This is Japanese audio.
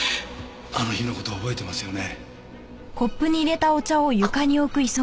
あの日の事を覚えてますよね？